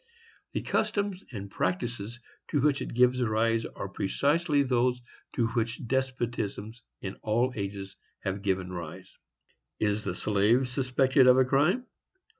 The customs and practices to which it gives rise are precisely those to which despotisms in all ages have given rise. Is the slave suspected of a crime?